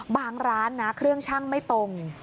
ร้านนะเครื่องชั่งไม่ตรง